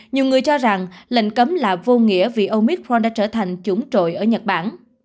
nhiều người cho rằng lệnh cấm là vô nghĩa vì omicron đã trở thành trúng trội ở nhật bản